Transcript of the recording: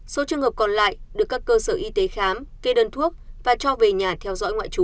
số trường hợp còn lại được các cơ sở y tế khám kê đơn thuốc và cho về nhà theo dõi ngoại trú